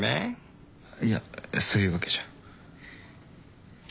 いやそういうわけじゃ。